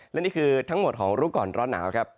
และนี่คือทั้งหมดของรู้ก่อนร้อนหนาวครับ